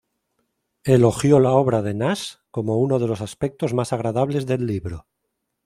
Elogió la obra de Nash como uno de los aspectos más agradables del libro.